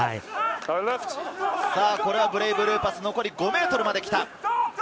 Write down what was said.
これはブレイブルーパス、残り５ｍまで来た！